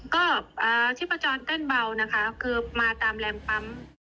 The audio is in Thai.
ก็ชีพจรเต้นเบานะคะคือมาตามแรมปั๊ม